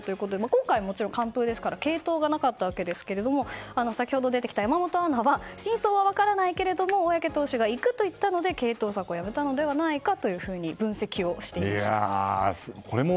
今回、完封ですから継投はなかったですが山本アナは真相は分からないけれども小宅投手が行くと言ったので継投策をやめたのではないかと分析していました。